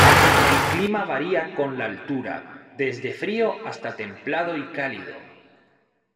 El clima varía con la altura, desde frío hasta templado y cálido.